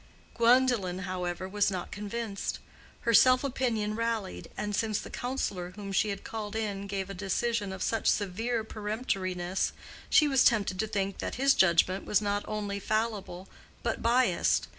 Gwendolen, however, was not convinced. Her self opinion rallied, and since the counselor whom she had called in gave a decision of such severe peremptoriness, she was tempted to think that his judgment was not only fallible but biased.